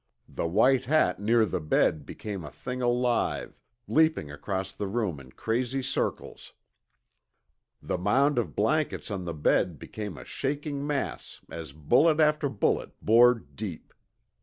The white hat near the bed became a thing alive, leaping across the room in crazy circles. The mound of blankets on the bed became a shaking mass as bullet after bullet bored deep.